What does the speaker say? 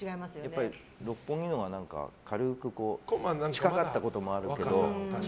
六本木のほうが近かったこともあるけど。